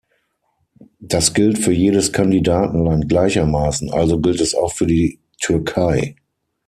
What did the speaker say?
Das gilt für jedes Kandidatenland gleichermaßen, also gilt es auch für die Türkei.